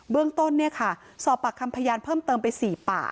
เรื่องต้นสอบปากคำพยานเพิ่มเติมไป๔ปาก